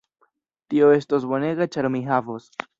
Tio estos bonega ĉar mi havos